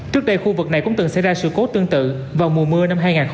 trước đây khu vực này cũng từng xảy ra sự cố tương tự vào mùa mưa năm hai nghìn một mươi tám